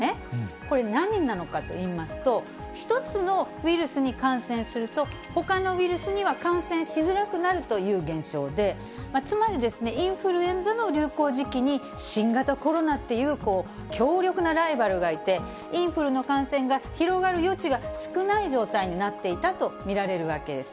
これ、何なのかといいますと、１つのウイルスに感染すると、ほかのウイルスには感染しづらくなるという現象で、つまりインフルエンザの流行時期に新型コロナっていう強力なライバルがいて、インフルの感染が広がる余地が少ない状態になっていたと見られるわけです。